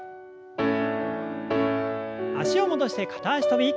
脚を戻して片脚跳び。